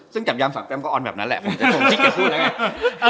ซึ่งจับยำสั่งแป๊มก็ออนแบบนั้นแหละผมจะส่งชิคกี้พูดแล้วไง